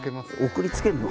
送りつけるの？